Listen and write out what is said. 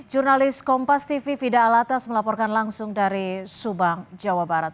jurnalis kompas tv fida alatas melaporkan langsung dari subang jawa barat